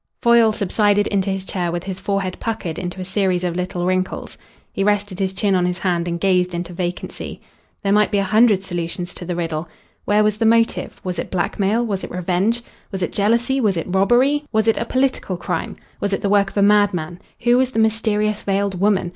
Foyle subsided into his chair with his forehead puckered into a series of little wrinkles. He rested his chin on his hand and gazed into vacancy. There might be a hundred solutions to the riddle. Where was the motive? Was it blackmail? Was it revenge? Was it jealousy? Was it robbery? Was it a political crime? Was it the work of a madman? Who was the mysterious veiled woman?